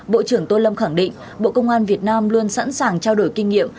bộ trưởng tô lâm khẳng định bộ công an việt nam luôn sẵn sàng trao đổi kinh nghiệm